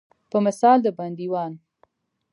په مثال د بندیوان.